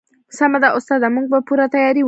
سمه ده استاده موږ به پوره تیاری ونیسو